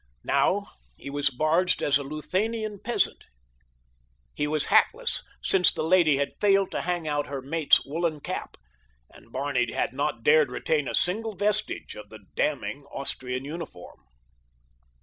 Now he was barged as a Luthanian peasant. He was hatless, since the lady had failed to hang out her mate's woolen cap, and Barney had not dared retain a single vestige of the damning Austrian uniform.